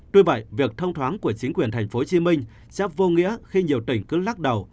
tuy vậy việc thông thoáng của chính quyền thành phố hồ chí minh sẽ vô nghĩa khi nhiều tỉnh cứ lắc đầu